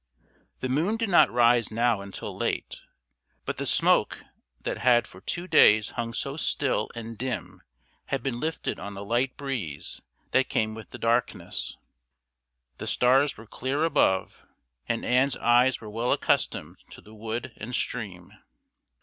The moon did not rise now until late, but the smoke that had for two days hung so still and dim had been lifted on a light breeze that came with the darkness. The stars were clear above, and Ann's eyes were well accustomed to the wood and stream.